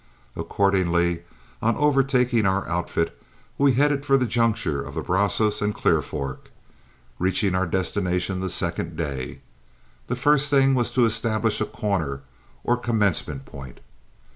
Accordingly, on overtaking our outfit we headed for the juncture of the Brazos and Clear Fork, reaching our destination the second day. The first thing was to establish a corner or commencement point.